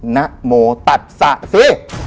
นะโมตัสะซิ